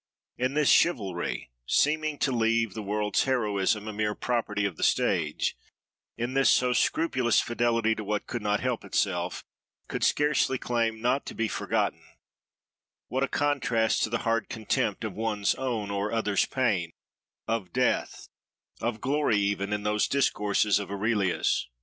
In this chivalry, seeming to leave the world's heroism a mere property of the stage, in this so scrupulous fidelity to what could not help itself, could scarcely claim not to be forgotten, what a contrast to the hard contempt of one's own or other's pain, of death, of glory even, in those discourses of Aurelius!